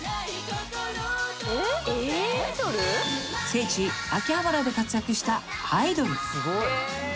［聖地秋葉原で活躍したアイドル］